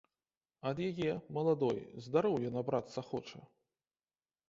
Ад яе, маладой, здароўя набрацца хоча.